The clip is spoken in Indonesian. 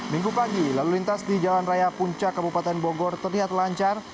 minggu pagi lalu lintas di jalan raya puncak kabupaten bogor terlihat lancar